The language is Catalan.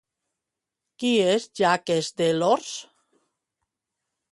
Qui és Jacques Delors?